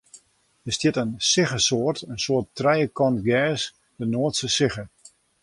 Dêr stiet in siggesoart, in soart trijekant gers, de noardske sigge.